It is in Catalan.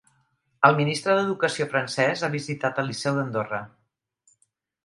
El ministre d'Educació francès ha visitat el Liceu d'Andorra